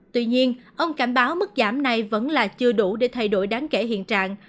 tuy nhiên ông cảnh báo mức giảm này vẫn là chưa đủ để thay đổi đáng kể hiện trạng